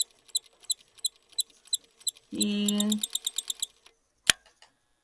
He represented the Christian Democratic wing within the Anti-Communist opposition in Czechoslovakia.